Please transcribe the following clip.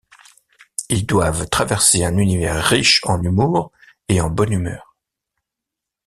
Il doit traverser un univers riche en humour et en bonne humeur.